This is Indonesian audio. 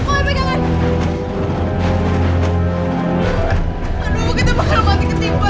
aduh kita bakal mati ketimpa